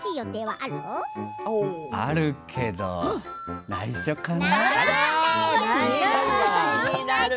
あるけどないしょかな？